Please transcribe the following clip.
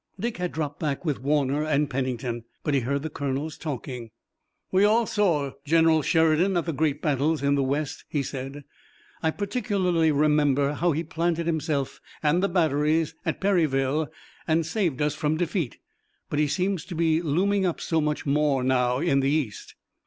Dick had dropped back with Warner and Pennington, but he heard the colonels talking. "We all saw General Sheridan at the great battles in the West," he said. "I particularly remember how he planted himself and the batteries at Perryville and saved us from defeat, but he seems to be looming up so much more now in the East."